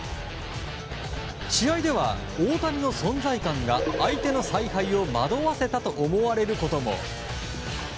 試合では大谷の存在感が相手の采配を惑わせたと思われることも。